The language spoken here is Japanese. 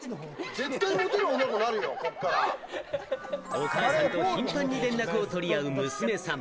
お母さんと頻繁に連絡をとりあう娘さん。